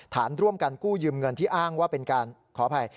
ฐานร่วมการกู้ยืมเงินที่อ้างนะขออภัย